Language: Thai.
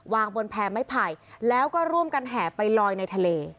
วางบนแพรไม้ไผ่แล้วก็ร่วมกันแห่ไปลอยในทะเล